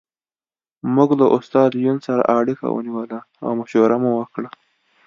موږ له استاد یون سره اړیکه ونیوله او مشوره مو وکړه